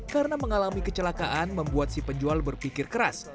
karena mengalami kecelakaan membuat si penjual berpikir keras